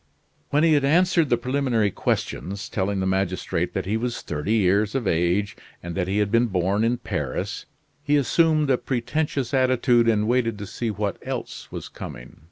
When he had answered the preliminary questions, telling the magistrate that he was thirty years of age, and that he had been born in Paris, he assumed a pretentious attitude and waited to see what else was coming.